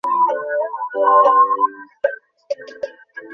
কপাল চাপড়ে বলেছে এত বেশি সস্তা হলুম কেন?